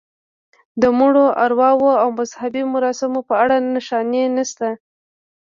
د مړو ارواوو او مذهبي مراسمو په اړه نښانې نشته.